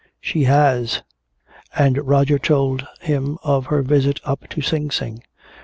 "She has!" And Roger told him of her visit up to Sing Sing.